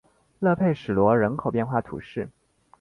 勒佩什罗人口变化图示